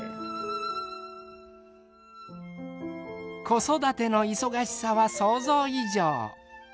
子育ての忙しさは想像以上。